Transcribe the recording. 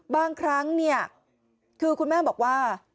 บางครั้งเนี่ยคือคุณแม่บอกว่า